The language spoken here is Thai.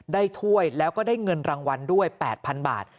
ถ้วยแล้วก็ได้เงินรางวัลด้วย๘๐๐๐บาท